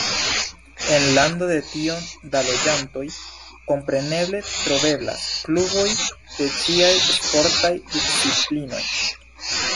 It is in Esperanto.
En lando de tiom da loĝantoj, kompreneble troveblas kluboj de ĉiaj sportaj disciplinoj.